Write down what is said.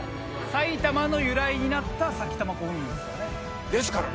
埼玉の由来になった埼玉古墳群ですよね。